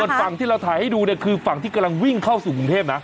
ส่วนฝั่งที่เราถ่ายให้ดูเนี่ยคือฝั่งที่กำลังวิ่งเข้าสู่กรุงเทพนะ